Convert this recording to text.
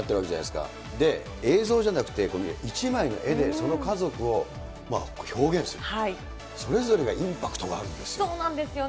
で、映像じゃなくて、この１枚の絵でその家族を表現する、それぞれがインパクトがあるんですよ。